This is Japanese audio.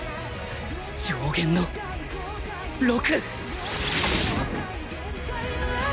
上弦の陸。